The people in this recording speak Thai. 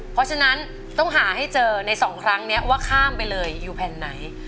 เพราะฉะนั้นต้องหาให้เจอในสองครั้งนี้ว่าข้ามไปเลยอยู่แผ่นไหน